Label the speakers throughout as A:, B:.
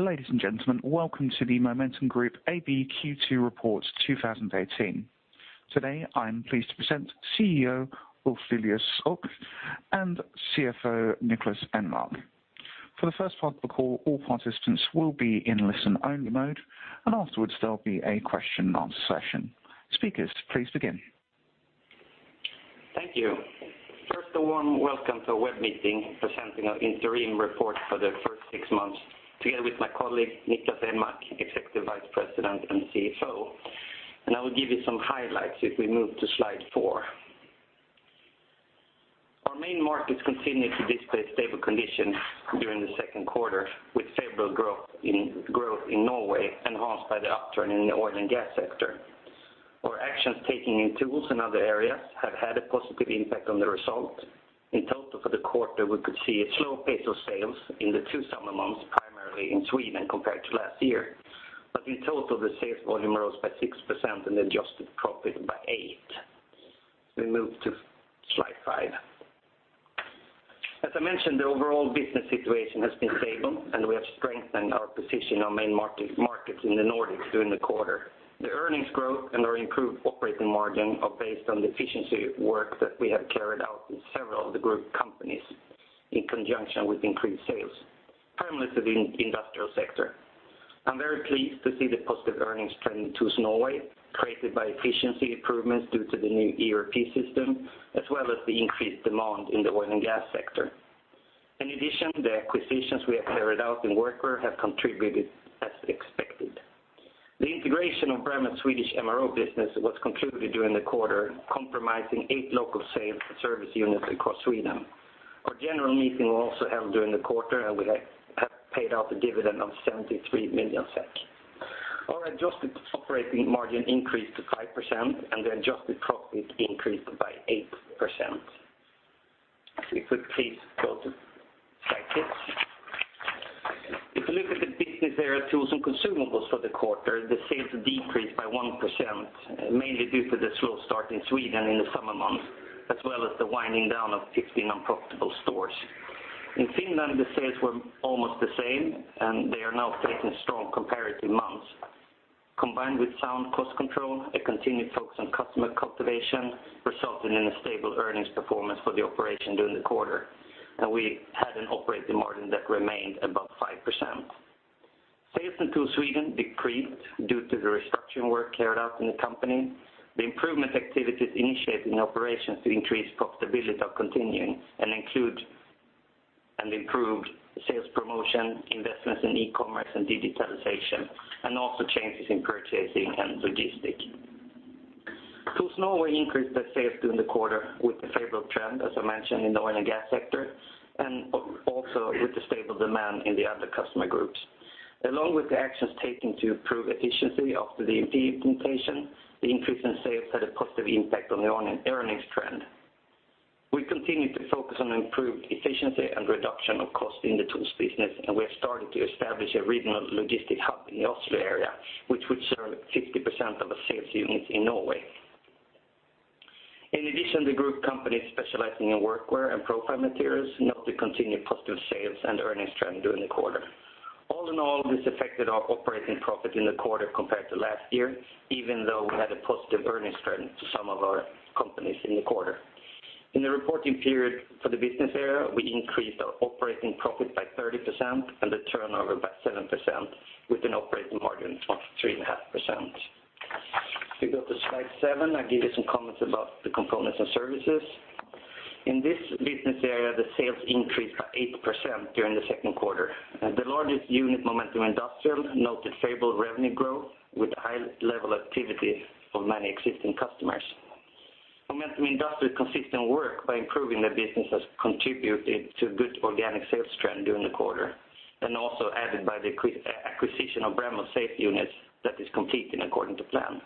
A: Ladies and gentlemen, welcome to the Momentum Group AB Q2 Report 2018. Today, I'm pleased to present CEO, Ulf Lilius, and CFO, Niklas Enmark. For the first part of the call, all participants will be in listen-only mode, and afterwards, there'll be a question and answer session. Speakers, please begin.
B: Thank you. First, a warm welcome to our web meeting, presenting our interim report for the first six months, together with my colleague, Niklas Enmark, Executive Vice President and CFO. I will give you some highlights if we move to slide four. Our main markets continued to display stable conditions during the second quarter, with favorable growth in Norway, enhanced by the upturn in the oil and gas sector. Our actions taken in tools and other areas have had a positive impact on the result. In total, for the quarter, we could see a slow pace of sales in the two summer months, primarily in Sweden, compared to last year. But in total, the sales volume rose by 6% and adjusted profit by 8%. We move to slide five. As I mentioned, the overall business situation has been stable, and we have strengthened our position in the main markets in the Nordics during the quarter. The earnings growth and our improved operating margin are based on the efficiency work that we have carried out in several of the group companies in conjunction with increased sales, primarily to the industrial sector. I'm very pleased to see the positive earnings trend in TOOLS Norway, created by efficiency improvements due to the new ERP system, as well as the increased demand in the oil and gas sector. In addition, the acquisitions we have carried out in workwear have contributed as expected. The integration of Brammer's Swedish MRO business was concluded during the quarter, comprising eight local sales and service units across Sweden. Our general meeting was also held during the quarter, and we have paid out a dividend of 73 million SEK. Our adjusted operating margin increased to 5%, and the adjusted profit increased by 8%. If you could please go to slide six. If you look at the business area, TOOLS and Consumables for the quarter, the sales decreased by 1%, mainly due to the slow start in Sweden in the summer months, as well as the winding down of 15 unprofitable stores. In Finland, the sales were almost the same, and they are now facing strong comparative months. Combined with sound cost control, a continued focus on customer cultivation resulted in a stable earnings performance for the operation during the quarter, and we had an operating margin that remained above 5%. Sales in TOOLS Sweden decreased due to the restructuring work carried out in the company. The improvement activities initiated in operations to increase profitability are continuing and include an improved sales promotion, investments in e-commerce and digitalization, and also changes in purchasing and logistics. TOOLS Norway increased their sales during the quarter with a favorable trend, as I mentioned, in the oil and gas sector, and also with the stable demand in the other customer groups. Along with the actions taken to improve efficiency after the implementation, the increase in sales had a positive impact on the earning, earnings trend. We continued to focus on improved efficiency and reduction of cost in the TOOLS business, and we have started to establish a regional logistics hub in the Oslo area, which would serve 50% of the sales units in Norway. In addition, the group companies specializing in workwear and profile materials note the continued positive sales and earnings trend during the quarter. All in all, this affected our operating profit in the quarter compared to last year, even though we had a positive earnings trend to some of our companies in the quarter. In the reporting period for the business area, we increased our operating profit by 30% and the turnover by 7%, with an operating margin of 3.5%. If you go to slide seven, I'll give you some comments about the Components and Services. In this business area, the sales increased by 8% during the second quarter, and the largest unit, Momentum Industrial, noted favorable revenue growth with high level activity for many existing customers. Momentum Industrial's consistent work by improving their businesses contributed to good organic sales trend during the quarter, and also added by the acquisition of Brammer sales units that is completing according to plan.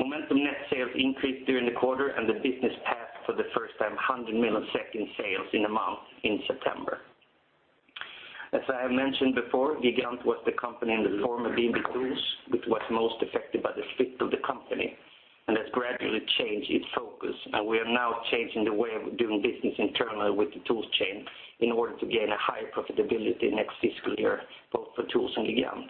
B: Momentum net sales increased during the quarter, and the business passed for the first time 100 million SEK in sales in a month in September. As I have mentioned before, Gigant was the company in the former B&B Tools, which was most affected by the split of the company, and has gradually changed its focus. We are now changing the way of doing business internally with the TOOLS chain in order to gain a higher profitability next fiscal year, both for TOOLS and Gigant.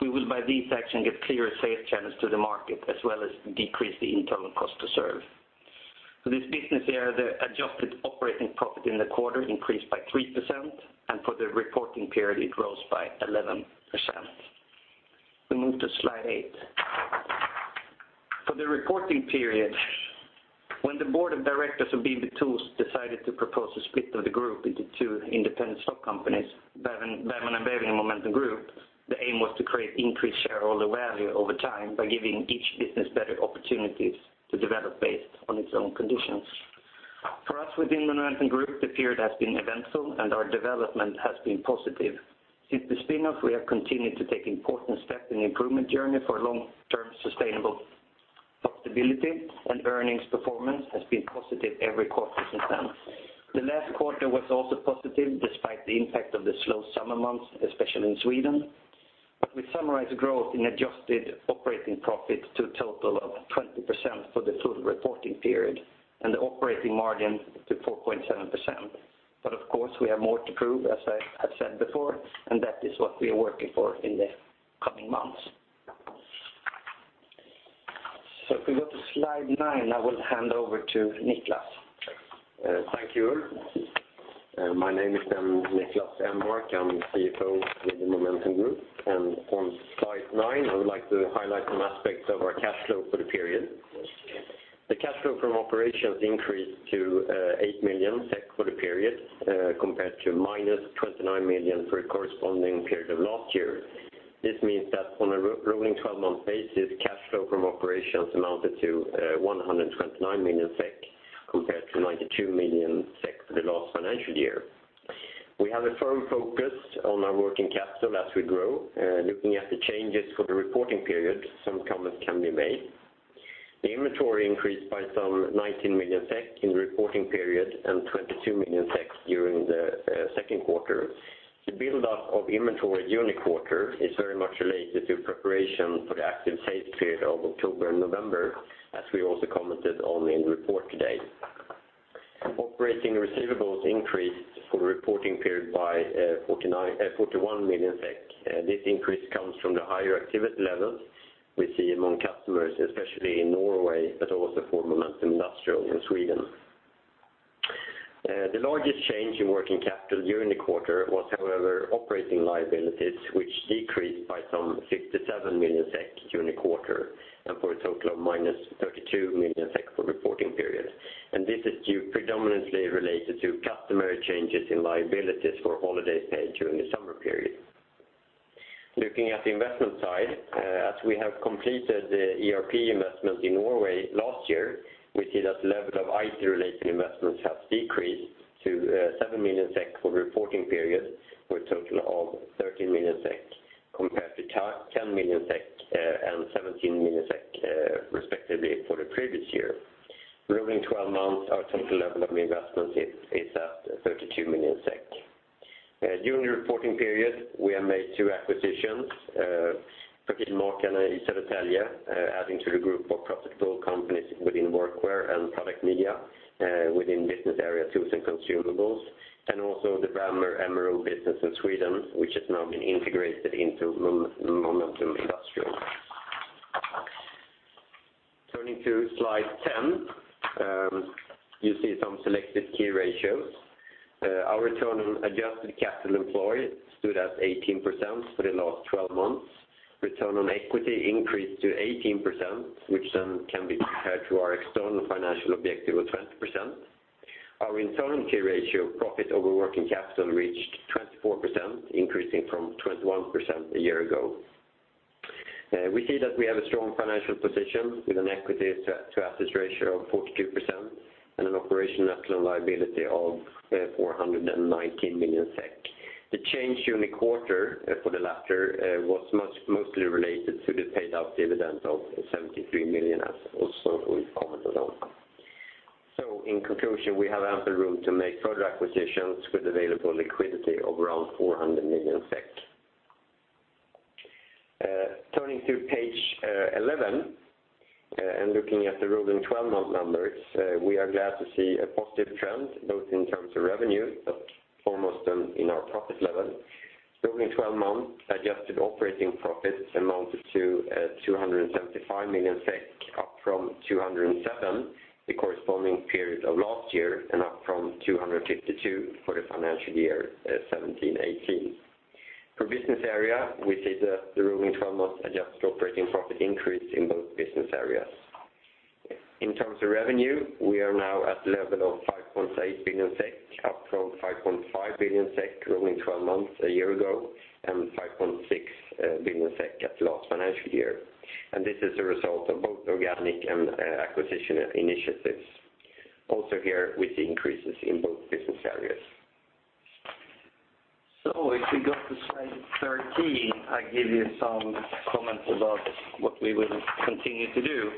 B: We will, by these actions, give clearer sales channels to the market, as well as decrease the internal cost to serve. For this business area, the adjusted operating profit in the quarter increased by 3%, and for the reporting period, it rose by 11%. We move to slide eight. For the reporting period, when the board of directors of B&B Tools decided to propose a split of the group into two independent stock companies, Bergman & Beving and Momentum Group, the aim was to create increased shareholder value over time by giving each business better opportunities to develop based on its own conditions. For us within Momentum Group, the period has been eventful, and our development has been positive. Since the spin-off, we have continued to take important steps in the improvement journey for long-term sustainable profitability, and earnings performance has been positive every quarter since then. The last quarter was also positive, despite the impact of the slow summer months, especially in Sweden... but we summarize growth in adjusted operating profit to a total of 20% for the total reporting period, and the operating margin to 4.7%. But of course, we have more to prove, as I have said before, and that is what we are working for in the coming months. So if we go to slide nine, I will hand over to Niklas.
C: Thank you, Ulf. My name is then Niklas Enmark. I'm the CFO with the Momentum Group. On slide nine, I would like to highlight some aspects of our cash flow for the period. The cash flow from operations increased to 8 million SEK for the period, compared to -29 million for the corresponding period of last year. This means that on a rolling 12-month basis, cash flow from operations amounted to 129 million SEK, compared to 92 million SEK for the last financial year. We have a firm focus on our working capital as we grow. Looking at the changes for the reporting period, some comments can be made. The inventory increased by some 19 million SEK in the reporting period, and 22 million SEK during the second quarter. The buildup of inventory during the quarter is very much related to preparation for the active sales period of October and November, as we also commented on in the report today. Operating receivables increased for the reporting period by 41 million SEK. This increase comes from the higher activity levels we see among customers, especially in Norway, but also for Momentum Industrial in Sweden. The largest change in working capital during the quarter was, however, operating liabilities, which decreased by some 57 million SEK during the quarter, and for a total of -32 million SEK for reporting period. This is due predominantly related to customer changes in liabilities for holiday pay during the summer period. Looking at the investment side, as we have completed the ERP investment in Norway last year, we see that the level of IT-related investments have decreased to 7 million SEK for reporting period, for a total of 13 million SEK, compared to 10 million SEK and 17 million SEK, respectively, for the previous year. Rolling twelve months, our total level of investments is at 32 million SEK. During the reporting period, we have made two acquisitions, for Profilhuset and MF Gävle, adding to the group of profitable companies within Workwear and product media, within business area Tools and Consumables, and also the Brammer MRO business in Sweden, which has now been integrated into Momentum Industrial. Turning to slide 10, you see some selected key ratios. Our return on adjusted capital employed stood at 18% for the last 12 months. Return on equity increased to 18%, which then can be compared to our external financial objective of 20%. Our internal key ratio of profit over working capital reached 24%, increasing from 21% a year ago. We see that we have a strong financial position, with an equity to asset ratio of 42% and an operational net loan liability of 419 million SEK. The change during the quarter for the latter was mostly related to the paid out dividend of 73 million, as also we commented on. So in conclusion, we have ample room to make further acquisitions with available liquidity of around 400 million SEK. Turning to page 11, and looking at the rolling twelve-month numbers, we are glad to see a positive trend, both in terms of revenue, but foremost in our profit level. Rolling twelve-month adjusted operating profits amounted to 275 million SEK, up from 207 million the corresponding period of last year, and up from 252 million for the financial year 2017-18. Per business area, we see that the rolling twelve-month adjusted operating profit increase in both business areas. In terms of revenue, we are now at the level of 5.8 billion SEK, up from 5.5 billion SEK rolling twelve months a year ago, and 5.6 billion SEK at the last financial year. This is a result of both organic and acquisition initiatives, also here, with increases in both business areas.
B: So if we go to slide 13, I give you some comments about what we will continue to do.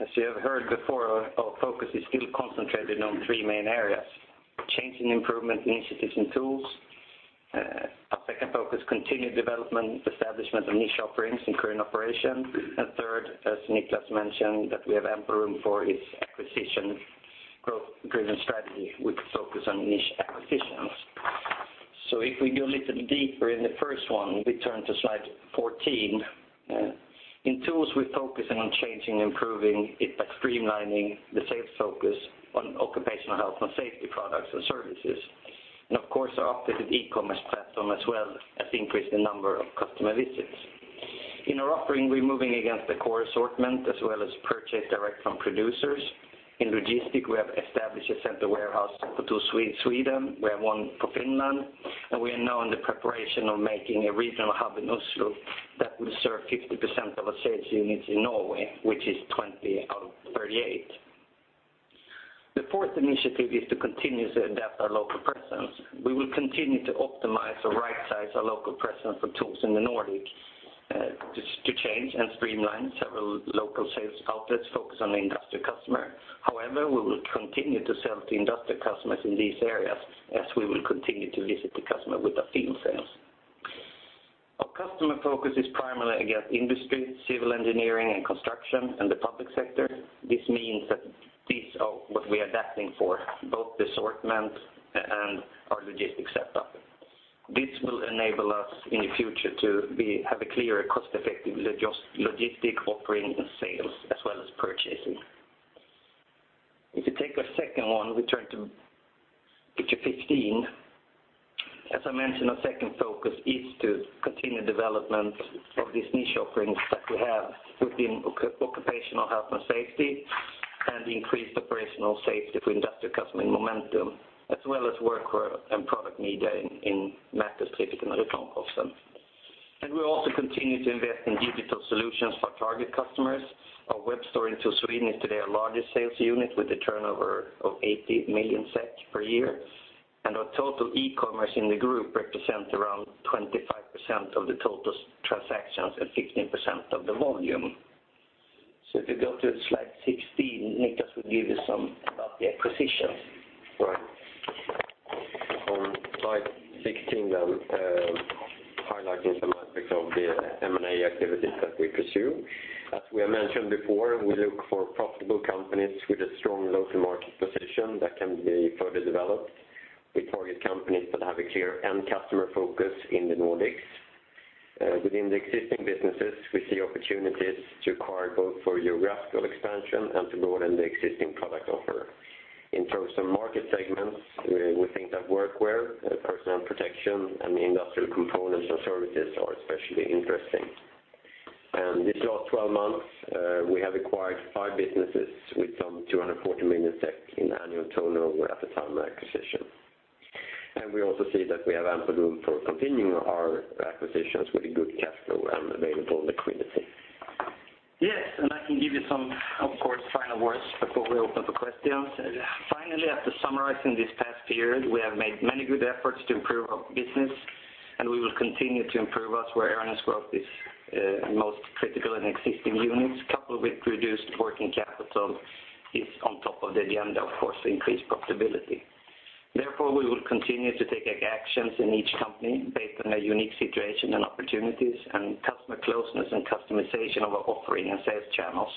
B: As you have heard before, our focus is still concentrated on three main areas: changing improvement initiatives and tools, a second focus, continued development, establishment of niche offerings in current operation. And third, as Niklas mentioned, that we have ample room for its acquisition growth-driven strategy with focus on niche acquisitions. So if we go a little deeper in the first one, we turn to slide 14. In tools, we're focusing on changing, improving it by streamlining the sales focus on occupational health and safety products and services, and of course, our updated e-commerce platform, as well as increase the number of customer visits. In our offering, we're moving against the core assortment, as well as purchase direct from producers. In logistics, we have established a central warehouse for TOOLS Sweden. We have one for Finland, and we are now in the preparation of making a regional hub in Oslo that will serve 50% of our sales units in Norway, which is 20 out of 38. The fourth initiative is to continue to adapt our local presence. We will continue to optimize or right-size our local presence for TOOLS in the Nordic to change and streamline several local sales outlets focused on the industrial customer. However, we will continue to sell to industrial customers in these areas, as we will continue to visit the customer with the field sales. Our customer focus is primarily against industry, civil engineering, and construction, and the public sector. This means that these are what we are adapting for, both the assortment and our logistics setup. This will enable us in the future to have a clearer, cost-effective logistic operating and sales, as well as purchasing. If you take a second one, we turn to picture 15. As I mentioned, our second focus is to continue development of these niche offerings that we have within occupational health and safety, and increased operational safety for industrial customer in Momentum, as well as workwear and product media in Mercus, TriffiQ, and Blomquist. And we also continue to invest in digital solutions for target customers. Our web store in TOOLS Sweden is today our largest sales unit, with a turnover of 80 million SEK per year. And our total e-commerce in the group represent around 25% of the total transactions and 15% of the volume. So if you go to slide 16, Niklas will give you some about the acquisitions.
C: Right. On slide 16, highlighting some aspects of the M&A activities that we pursue. As we have mentioned before, we look for profitable companies with a strong local market position that can be further developed. We target companies that have a clear end customer focus in the Nordics. Within the existing businesses, we see opportunities to acquire both for geographical expansion and to broaden the existing product offer. In terms of market segments, we think that workwear, personal protection, and industrial components or services are especially interesting. This last 12 months, we have acquired five businesses with some 240 million in annual turnover at the time of acquisition. We also see that we have ample room for continuing our acquisitions with a good cash flow and available liquidity.
B: Yes, and I can give you some, of course, final words before we open for questions. Finally, after summarizing this past period, we have made many good efforts to improve our business, and we will continue to improve us where earnings growth is most critical in existing units, coupled with reduced working capital, is on top of the agenda, of course, increased profitability. Therefore, we will continue to take actions in each company based on their unique situation and opportunities, and customer closeness and customization of our offering and sales channels,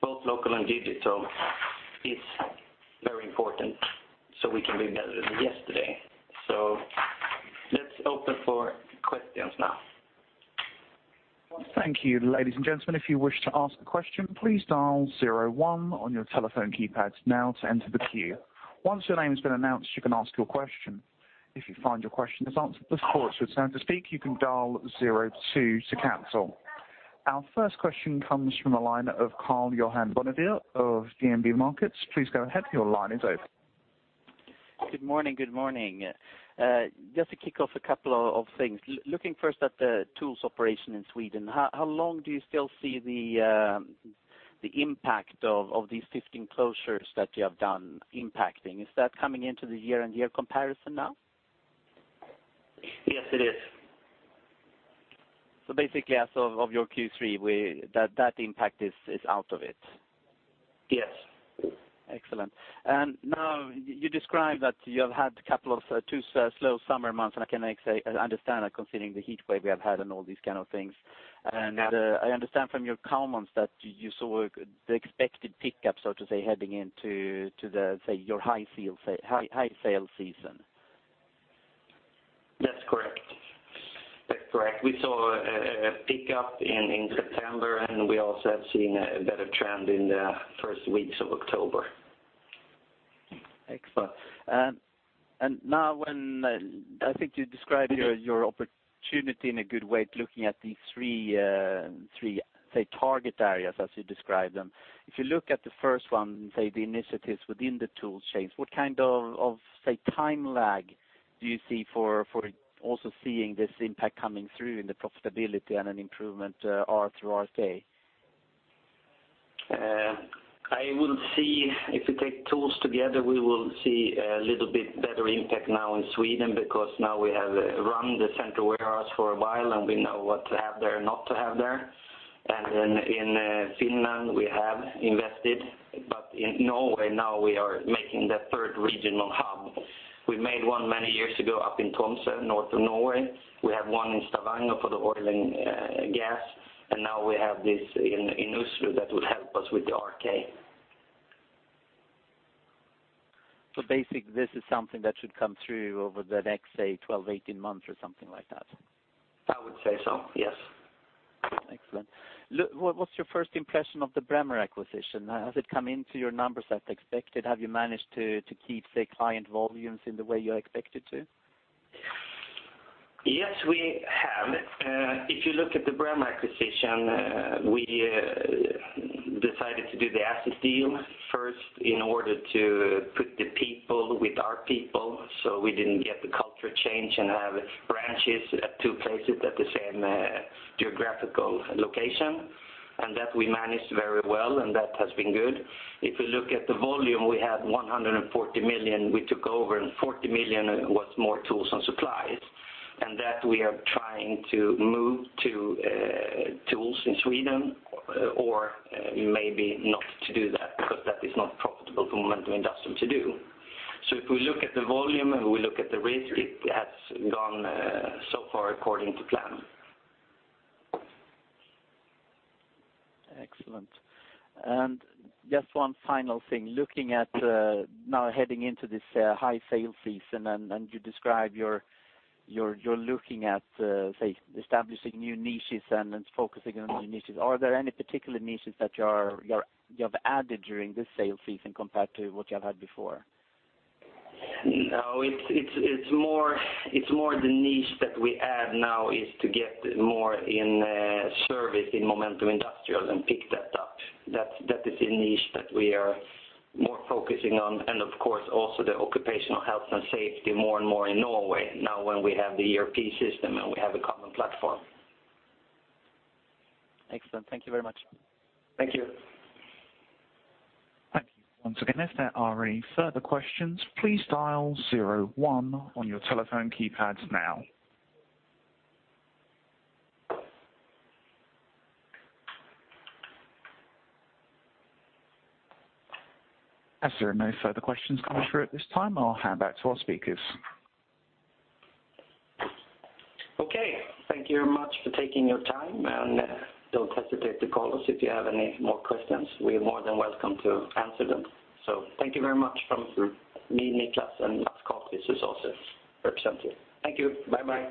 B: both local and digital, is very important, so we can do better than yesterday. So let's open for questions now.
A: Well, thank you. Ladies and gentlemen, if you wish to ask a question, please dial zero one on your telephone keypads now to enter the queue. Once your name has been announced, you can ask your question. If you find your question is answered before it is your turn to speak, you can dial zero two to cancel. Our first question comes from the line of Karl-Johan Bonnevier of DNB Markets. Please go ahead. Your line is open.
D: Good morning, good morning. Just to kick off a couple of things. Looking first at the TOOLS operation in Sweden, how long do you still see the impact of these 15 closures that you have done impacting? Is that coming into the year-on-year comparison now?
B: Yes, it is.
D: So basically, as of your Q3, that impact is out of it?
B: Yes.
D: Excellent. And now, you described that you have had a couple of two slow summer months, and I can, say, understand that considering the heatwave we have had and all these kind of things. And I understand from your comments that you saw the expected pickup, so to say, heading into, say, your high sales season.
B: That's correct. That's correct. We saw a pickup in September, and we also have seen a better trend in the first weeks of October.
D: Excellent. And now when, I think you described your, your opportunity in a good way to looking at these three, three, say, target areas as you describe them. If you look at the first one, say, the initiatives within the TOOLS chains, what kind of, of, say, time lag do you see for, for also seeing this impact coming through in the profitability and an improvement, R over RK?
B: I will see if we take tools together, we will see a little bit better impact now in Sweden, because now we have run the central warehouse for a while, and we know what to have there and not to have there. And in, in, Finland, we have invested, but in Norway, now we are making the third regional hub. We made one many years ago up in Tromsø, north of Norway. We have one in Stavanger for the oil and, gas, and now we have this in, Oslo that will help us with the RK.
D: Basically, this is something that should come through over the next, say, 12-18 months or something like that?
B: I would say so, yes.
D: Excellent. What, what's your first impression of the Brammer acquisition? Has it come into your numbers as expected? Have you managed to keep, say, client volumes in the way you expected to?
B: Yes, we have. If you look at the Brammer acquisition, we decided to do the asset deal first in order to put the people with our people, so we didn't get the culture change and have branches at two places at the same geographical location. And that we managed very well, and that has been good. If you look at the volume, we had 140 million we took over, and 40 million was more tools and supplies, and that we are trying to move to tools in Sweden, or maybe not to do that, because that is not profitable for Momentum Industrial to do. So if we look at the volume, and we look at the rate, it has gone so far according to plan.
D: Excellent. And just one final thing, looking at now heading into this high sales season, and you describe you're looking at, say, establishing new niches and focusing on new niches. Are there any particular niches that you have added during this sales season compared to what you have had before?
B: No, it's more the niche that we add now is to get more in service in Momentum Industrial and pick that up. That's a niche that we are more focusing on, and of course, also the occupational health and safety more and more in Norway, now when we have the ERP system, and we have a common platform.
D: Excellent. Thank you very much.
B: Thank you.
A: Thank you. Once again, if there are any further questions, please dial zero one on your telephone keypads now. As there are no further questions coming through at this time, I'll hand back to our speakers.
B: Okay, thank you very much for taking your time, and don't hesitate to call us if you have any more questions. We're more than welcome to answer them. So thank you very much from me, Niklas, and Mats Karlqvist is also represented. Thank you. Bye-bye.